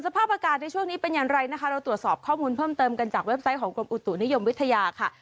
สภาพอากาศในช่วงนี้เป็นอย่างไรนะคะเราตรวจสอบข้อมูลเพิ่มเติมกันจากเว็บไซต์ของกรมอุตุนิยมวิทยาค่ะ